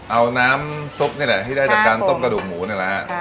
เอาน้ำซุปนี่แหละที่ได้จากการต้มกระดูกหมูนี่แหละฮะ